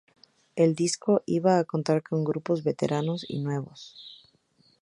El disco iba a contar con grupos veteranos y nuevos.